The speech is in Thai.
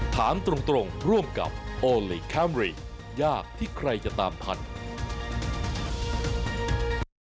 ถามตรงร่วมกับโอลี่คัมรี่ยากที่ใครจะตามทัน